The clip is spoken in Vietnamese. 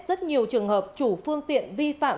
rất nhiều trường hợp chủ phương tiện vi phạm